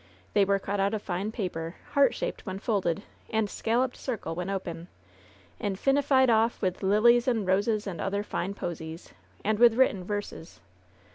They were cut out of fine paper, heart shaped when folded, and scalloped circle when open, and finified off with lilies and roses and other LOVE'S BITTEREST CUP 6S fine posies^' and with written verses.